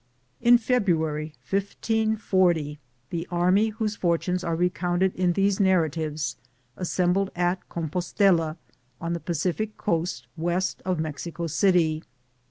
In February, 1540, the army whose for tunes are recounted in these narratives as sembled at Compostela, on the Pacific coast west of Mexico city.